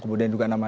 kemudian juga nama